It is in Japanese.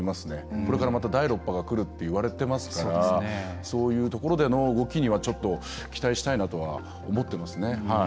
これから、また第６波がくるって言われてますからそういうところでの動きには期待したいなとは思ってますね。